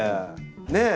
ねえ！